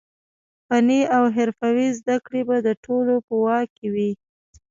فني او حرفوي زده کړې به د ټولو په واک کې وي.